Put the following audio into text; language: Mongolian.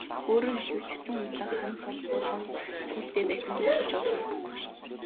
Өөрөөр хэлбэл, Сэцэн хүндлэн хан цол булган сүүлтэй байсан гэж хэлж болно.